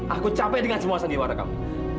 aku capai dengan semua sandiwara kamu